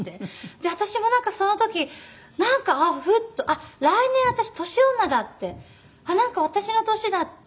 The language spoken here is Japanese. で私もなんかその時なんかフッと来年私年女だってなんか私の年だって。